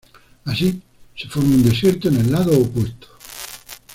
Así, se forma un desierto en el lado opuesto.